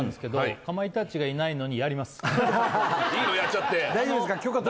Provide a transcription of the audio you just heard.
やっちゃって大丈夫ですか？